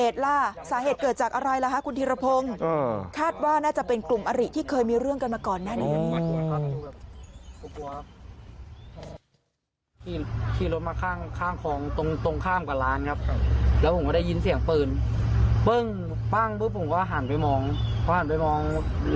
แต่ก็ตามมาเลยครับแปลง